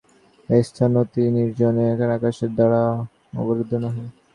এই স্থান অতি নির্জন-এখানকার আকাশ গাছের দ্বারা অবরুদ্ধ নহে।